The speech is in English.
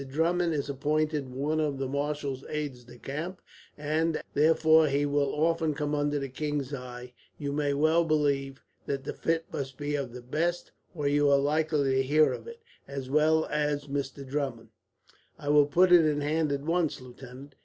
Drummond is appointed one of the marshal's aides de camp; and as, therefore, he will often come under the king's eye, you may well believe that the fit must be of the best, or you are likely to hear of it, as well as Mr. Drummond." "I will put it in hand at once, lieutenant.